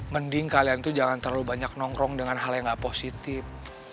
mending kalian tuh jangan terlalu banyak nongkrong dengan hal yang gak positif